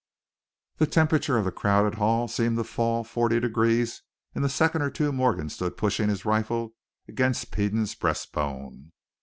The temperature of the crowded hall seemed to fall forty degrees in the second or two Morgan stood pushing his rifle against Peden's breastbone.